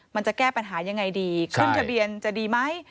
มันจะแก้ปัญหายังไงดีขึ้นทะเบียนจะดีไหม